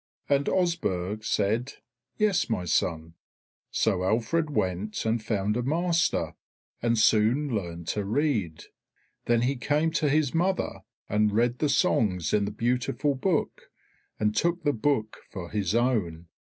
And Osburh said, "Yes, my son." So Alfred went and found a master, and soon learned to read. Then he came to his mother, and read the songs in the beautiful book and took the book for his own.